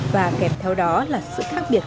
và kèm theo đó là sự khác biệt